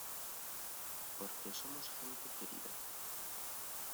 porque somos gente querida.